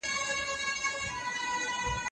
که ماشوم ارام شي، انا به ورته مینه ورکړي.